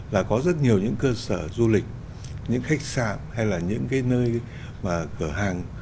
là có rất nhiều những cơ sở du lịch những khách sạn hay là những cái nơi mà cửa hàng